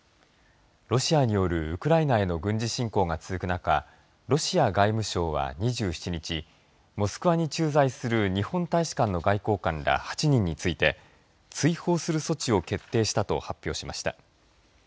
ロシアによるウクライナへの軍事侵攻が続く中ロシア外務省は２７日モスクワに駐在する日本大使館の外交官ら８人について追放する措置を決定したと発表しました。